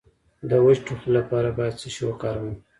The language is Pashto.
د وچ ټوخي لپاره باید څه شی وکاروم؟